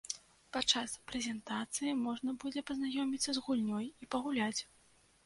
Падчас прэзентацыі можна будзе пазнаёміцца з гульнёй і пагуляць!